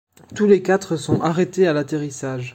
Tous les quatre sont arrêtés à l’atterrissage.